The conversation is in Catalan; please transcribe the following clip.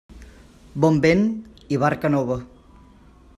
Bon vent i barca nova.